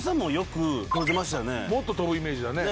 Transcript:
もっと飛ぶイメージだね。